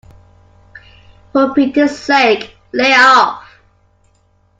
For pity's sake, lay off.